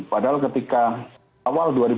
padahal ketika awal dua ribu empat belas